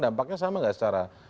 dampaknya sama gak secara